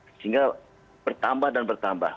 sehingga bertambah dan bertambah